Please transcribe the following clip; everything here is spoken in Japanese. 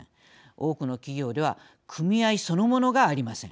多くの企業では組合そのものがありません。